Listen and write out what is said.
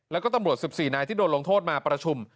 แล้วก็ตำรวจ๑๔นายที่โดนลงโทษมาประชุม